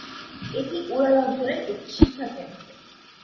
এটি উরাল অঞ্চলের একটি শিক্ষাকেন্দ্র।